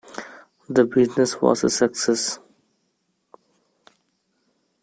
The business was a success.